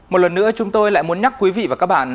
một lần nữa chúng tôi lại muốn nhắc quý vị và các bạn